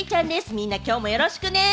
みんな、きょうもよろしくね！